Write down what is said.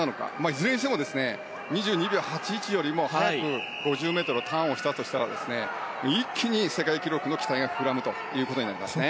いずれにしても２２秒８１よりも速く５０ｍをターンしたとしたら一気に世界記録の期待が膨らむことになりますね。